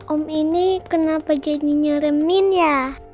om ini kenapa jadi nyaremin ya